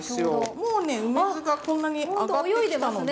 もうね梅酢がこんなに上がってきたので。